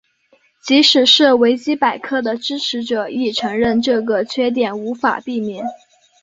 即使是维基百科的支持者亦承认这个缺点无法避免。